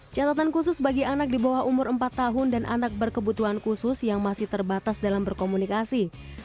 catatan khusus bagi anak di bawah umur empat tahun dan anak berkebutuhan khusus yang masih terbatas dalam berkomunikasi